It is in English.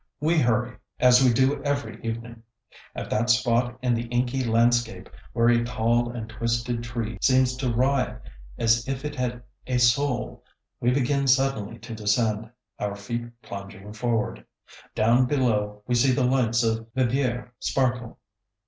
We hurry, as we do every evening. At that spot in the inky landscape where a tall and twisted tree seems to writhe as if it had a soul, we begin suddenly to descend, our feet plunging forward. Down below we see the lights of Viviers sparkle.